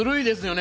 ね